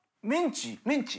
メンチ？